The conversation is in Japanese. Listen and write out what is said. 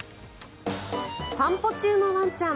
散歩中のワンちゃん。